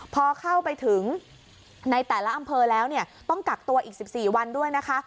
พอเข้าไปถึงในแต่ละอำเภอแล้วเนี่ยต้องกักตัวอีก๑๔วันด้วยนะคะ